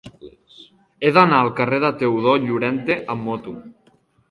He d'anar al carrer de Teodor Llorente amb moto.